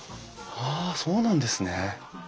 ああそうなんですね。